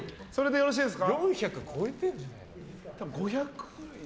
よろしいですか？